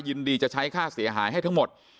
ยินดีจะใช้ค่าเสียหายให้ทั้งหมด